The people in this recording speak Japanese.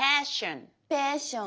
ペッション。